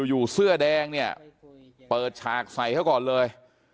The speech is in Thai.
อยู่เสื้อแดงเนี่ยเปิดฉากใส่เขาก่อนเลย